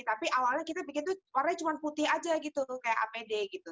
tapi awalnya kita bikin tuh warnanya cuma putih aja gitu kayak apd gitu